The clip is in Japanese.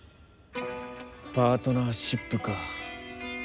パートナーシップか。